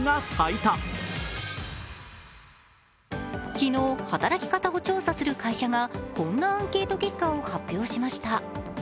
昨日、働き方を調査する会社がこんなアンケート結果を発表しました。